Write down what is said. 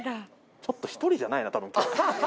ちょっと一人じゃないな、これ。